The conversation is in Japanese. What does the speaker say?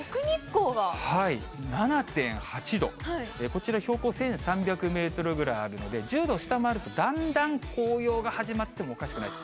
こちら、標高１３００メートルぐらいあるので、１０度下回ると、だんだん紅葉が始まってもおかしくない。